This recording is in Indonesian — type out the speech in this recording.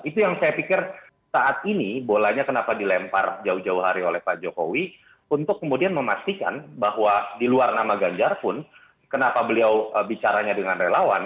itu yang saya pikir saat ini bolanya kenapa dilempar jauh jauh hari oleh pak jokowi untuk kemudian memastikan bahwa di luar nama ganjar pun kenapa beliau bicaranya dengan relawan